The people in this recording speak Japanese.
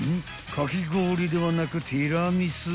かき氷ではなくティラミス？］